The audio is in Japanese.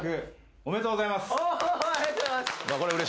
ありがとうございます！